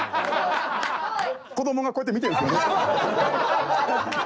子どもがこうやって見てるんですよね。